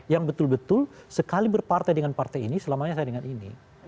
yang betul betul sekali berpartai dengan partai ini selamanya saya dengan ini